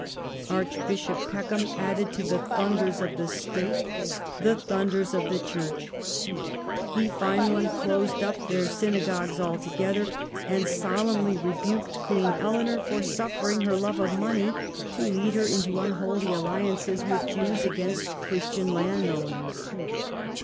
Archbishop Peckham added to the thundei's of the State the thunders of the Church. He finally closed up their synagogues alto gether, and sternly rebuked Queen Eleanor for suffering her love of money to lead her into unholy alliances with Jews against Christian landowners.